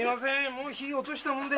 もう火落としたもんで。